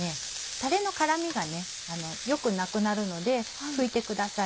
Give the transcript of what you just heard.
たれの絡みがよくなくなるので拭いてください。